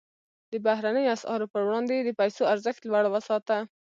د بهرنیو اسعارو پر وړاندې یې د پیسو ارزښت لوړ وساته.